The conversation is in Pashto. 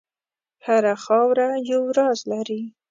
هره خاوره یو راز لري.